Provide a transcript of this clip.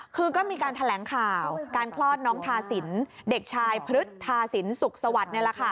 คือก็มีการแถลงข่าวการคลอดน้องทาสินเด็กชายพฤษฐาสินสุขสวัสดิ์นี่แหละค่ะ